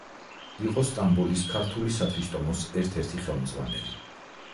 იყო სტამბოლის ქართული სათვისტომოს ერთ-ერთი ხელმძღვანელი.